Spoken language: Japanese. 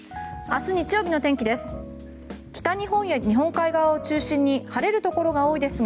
明日日曜日の天気です。